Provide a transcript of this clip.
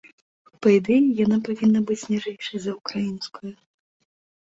Па ідэі, яна павінна быць ніжэйшай за ўкраінскую.